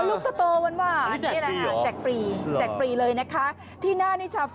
ลูกเติ๊วโตวันวานนี่แหละอ่าเจ็กฟรีเจ็กฟรีเลยนะคะที่หน้านิชาแฟรม